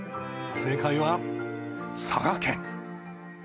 正解は佐賀県。